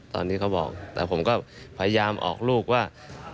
ตอนนี้เขาบอกแต่ผมก็พยายามออกลูกว่า